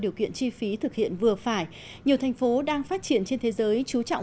điều kiện chi phí thực hiện vừa phải nhiều thành phố đang phát triển trên thế giới chú trọng